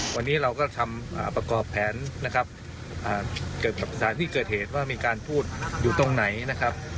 วันนี้เราก็ทำประกอบแผนนะครับเกี่ยวกับสถานที่เกิดเหตุว่ามีการพูดอยู่ตรงไหนนะครับ